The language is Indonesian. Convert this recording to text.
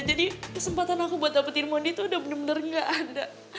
jadi kesempatan aku buat dapetin mondi tuh udah bener bener gak ada